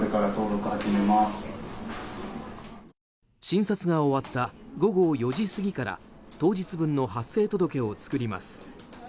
診察が終わった午後４時過ぎから当日分の発生届を作ります。